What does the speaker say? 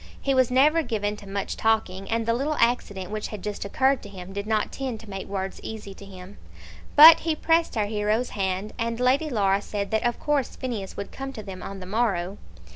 He was never given to much talking, and the little accident which had just occurred to him did not tend to make words easy to him. But he pressed our hero's hand, and Lady Laura said that of course Phineas would come to them on the morrow.